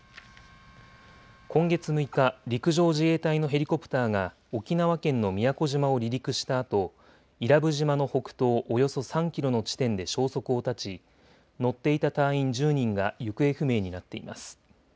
今月６日、陸上自衛隊のヘリコプターが沖縄県の宮古島を離陸したあと伊良部島の北東およそ３キロの地点で消息を絶ち乗っていた隊員１０人が行方不明になっています。